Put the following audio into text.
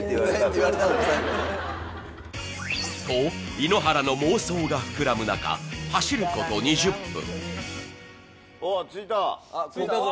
井ノ原の妄想が膨らむ中、走ること２０分。